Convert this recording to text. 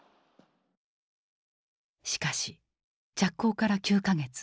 しかし着工から９か月。